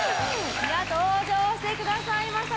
登場してくださいました。